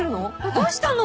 どうしたの？